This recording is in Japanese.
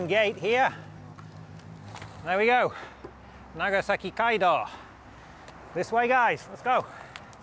長崎街道。